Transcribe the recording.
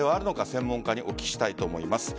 専門家にお聞きしたいと思います。